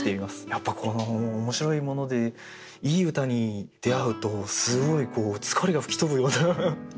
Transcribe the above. やっぱり面白いものでいい歌に出会うとすごい疲れが吹き飛ぶような。